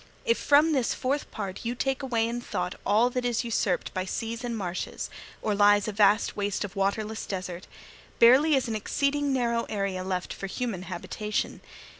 If from this fourth part you take away in thought all that is usurped by seas and marshes, or lies a vast waste of waterless desert, barely is an exceeding narrow area left for human habitation.